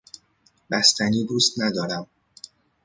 بستنی دوست ندارم.